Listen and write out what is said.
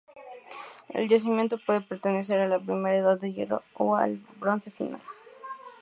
El yacimiento puede pertenecer a la Primera Edad del Hierro o al Bronce Final.